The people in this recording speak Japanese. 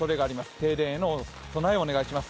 停電への備えをお願いします。